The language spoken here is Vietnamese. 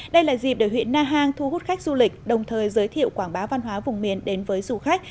đây là dịp để huyện na hàng thu hút khách du lịch đồng thời giới thiệu quảng bá văn hóa vùng miền đến với du khách